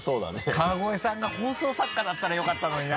川越さんが放送作家だったらよかったのにな。